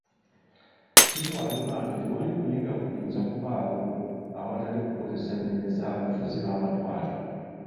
Kitwalibwa nti tewali kuyiga kuyinza kubaawo ewatali kukozesa nnimi za bafuzi ba matwale.